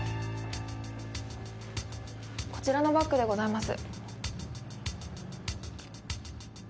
こちらのバッグでございます。